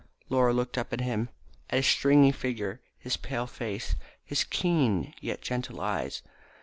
Laura looked up at him, at his stringy figure, his pale face, his keen, yet gentle eyes.